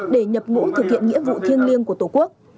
để nhập ngũ thực hiện nghĩa vụ thiêng liêng của tổ quốc